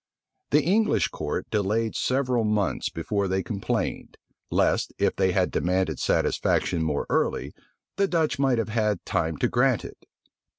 The English court delayed several months before they complained; lest, if they had demanded satisfaction more early, the Dutch might have had time to grant it.